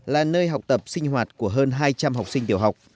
là nơi học tập sinh hoạt của hơn hai trăm linh học sinh tiểu học